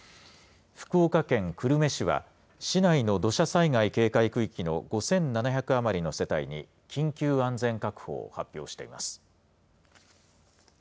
福岡県久留米市は、市内の土砂災害警戒区域の５７００余りの世帯に緊急安全確保を発表しています。